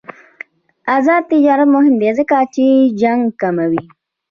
آزاد تجارت مهم دی ځکه چې جنګ کموي.